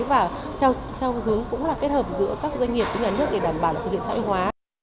và theo hướng kết hợp giữa các doanh nghiệp và các nhà nước để đảm bảo thực hiện xã hội hóa